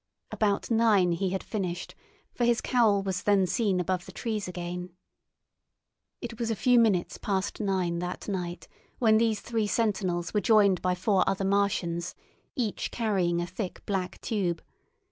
About nine he had finished, for his cowl was then seen above the trees again. It was a few minutes past nine that night when these three sentinels were joined by four other Martians, each carrying a thick black tube.